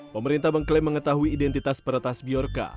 pemerintah mengklaim mengetahui identitas peretas biorca